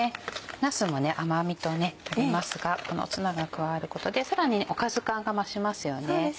なすも甘味とありますがこのツナが加わることでさらにおかず感が増しますよね。